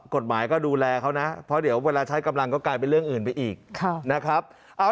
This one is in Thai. กฎหมายก็ดูแลเขานะเพราะเดี๋ยวเวลาใช้กำลังก็กลายเป็นเรื่องอื่นไปอีกนะครับ